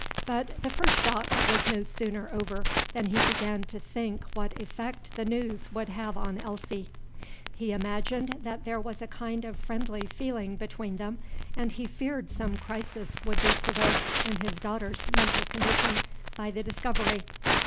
But the first shock was no sooner over than he began to think what effect the news would have on Elsie. He imagined that there was a kind of friendly feeling between them, and he feared some crisis would be provoked in his daughter's mental condition by the discovery.